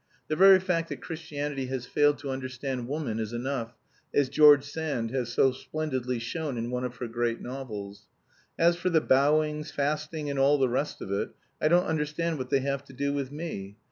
The very fact that Christianity has failed to understand woman is enough, as George Sand has so splendidly shown in one of her great novels. As for the bowings, fasting and all the rest of it, I don't understand what they have to do with me.